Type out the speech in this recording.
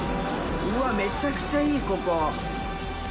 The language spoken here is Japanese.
うわ、めちゃくちゃいい、ここ。